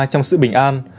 trong sự bình an